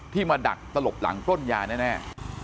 ที่มาดักตลบหลังต้นยาแน่แน่